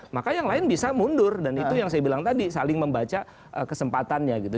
maka yang lain bisa mundur dan itu yang saya bilang tadi saling membaca kesempatannya gitu